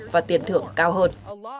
và tiền thưởng cao hơn